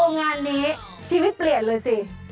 งานนี้ชีวิตเปลี่ยนเลยสิ